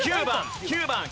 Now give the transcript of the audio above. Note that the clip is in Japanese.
９番９番。